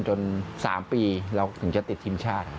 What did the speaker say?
จน๓ปีเราถึงจะติดทีมชาติ